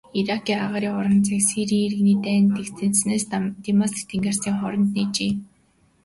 Иракийн агаарын орон зайг Сирийн иргэний дайн дэгдсэний дараа Дамаск-Тегераны хооронд нээжээ.